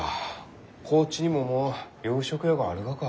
高知にももう洋食屋があるがか。